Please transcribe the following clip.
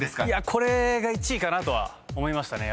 これが１位かなとは思いましたね